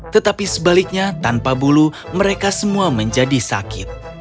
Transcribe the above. tetapi sebaliknya tanpa bulu mereka semua menjadi sakit